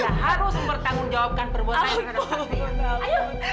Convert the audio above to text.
dia harus bertanggung jawabkan perbuatan terhadap satria